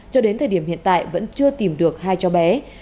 cho đến thời điểm hiện tại vẫn chưa tìm được hai cháu bé